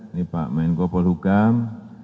ini pak menko polhukam